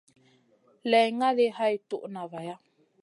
Lay ngali hay toud na vaya.